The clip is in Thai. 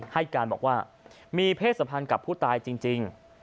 ให้การบอกว่ามีเพศสัมพันธ์กับผู้ตายจริง